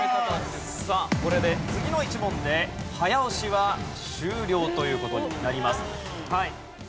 さあこれで次の１問で早押しは終了という事になります。